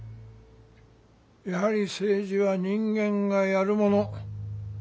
やはり政治は人間がやるもの。